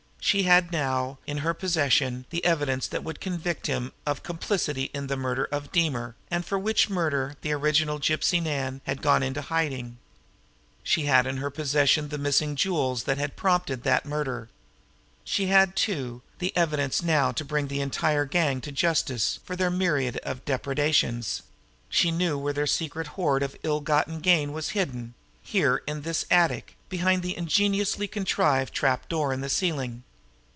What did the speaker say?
She had now in her possession the evidence that would convict him of complicity in the murder of Deemer, and for which murder the original Gypsy Nan had gone into hiding; she even had in her possession the missing jewels that had prompted that murder; she had, too, the evidence now to bring the entire gang to justice for their myriad depredations; she knew where their secret hoard of ill gotten gains was hidden here in this attic, behind that ingeniously contrived trap door in the ceiling.